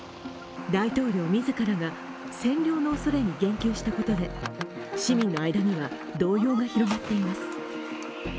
大統領自らが占領のおそれに言及したことで市民の間には動揺が広がっています。